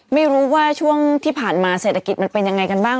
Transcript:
ไม่รู้ว่าช่วงที่ผ่านมาเศรษฐกิจมันเป็นยังไงกันบ้าง